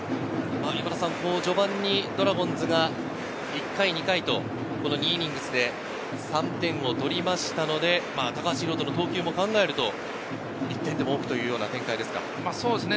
序盤にドラゴンズが１回、２回と２イニングスで３点を取りましたので、高橋宏斗の投球も考えると１点でも多くという展開ですか？